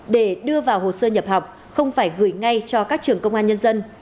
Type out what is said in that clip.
để đưa vào hồ sơ nhập học không phải gửi ngay cho các trường công an nhân dân